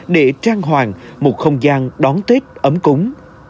để trang hoàng một không gian đón tết ấm cúng